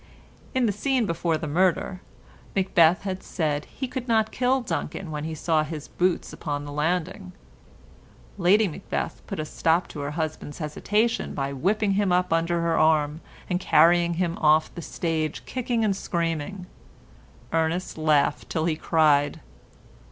In the scene before the murder, Macbeth had said he could not kill Duncan when he saw his boots upon the landing. Lady Macbeth put a stop to her husband's hesitation by whipping him up under her arm, and carrying him off the stage, kicking and screaming. Ernest laughed till he cried.